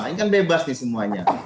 ini kan bebas nih semuanya